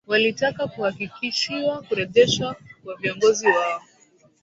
walitaka kuhakikishiwa kurejeshwa kwa viongozi wao